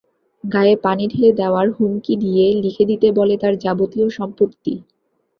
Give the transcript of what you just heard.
গায়ে পানি ঢেলে দেওয়ার হুমকি দিয়ে লিখে দিতে বলে তাঁর যাবতীয় সম্পত্তি।